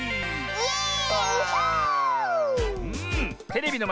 イエーイ！